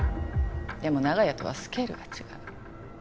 でも長屋とはスケールが違う。